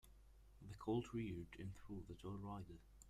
The colt reared and threw the tall rider.